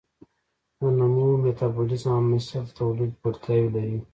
د نمو، میتابولیزم او مثل تولید وړتیاوې لري.